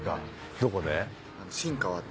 どこで？